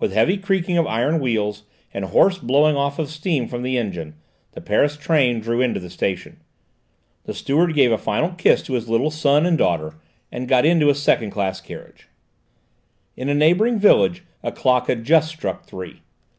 With heavy creaking of iron wheels, and hoarse blowing off of steam from the engine, the Paris train drew into the station. The steward gave a final kiss to his little son and daughter and got into a second class carriage. In a neighbouring village a clock had just struck three.